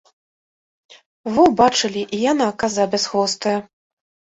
Во, бачылі, і яна, каза бясхвостая!